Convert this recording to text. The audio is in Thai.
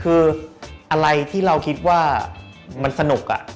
คืออะไรที่เราคิดว่ามันสนุก